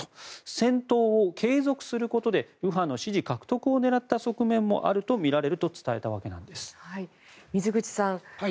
戦闘を継続することで右派の支持獲得を狙った側面もあるとみられると伝えたわけなんです。